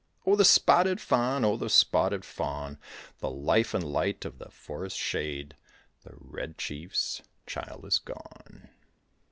Oh, the Spotted Fawn, oh, the Spotted Fawn, The life and light of the forest shade, The Red Chief's child is gone!